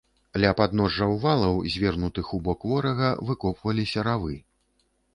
Ля падножжаў валаў, звернутых у бок ворага, выкопваліся равы.